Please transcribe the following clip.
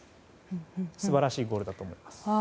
素晴らしいゴールだと思います。